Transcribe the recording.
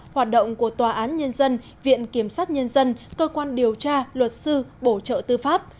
hoạt động của tòa án nhân dân viện kiểm sát nhân dân cơ quan điều tra luật sư bổ trợ tư pháp